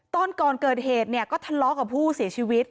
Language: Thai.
ตอนก่อนเกิดเหตุเนี่ยก็ทะเลาะกับผู้เสียชีวิต